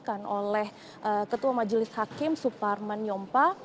maka diputuskan oleh ketua majelis hakim suparman nyompa